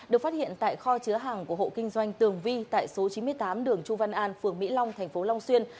được phát hiện tại kho chứa hàng của hộ kinh doanh tường vi tại số chín mươi tám đường chu văn an phường mỹ long thành phố long xuyên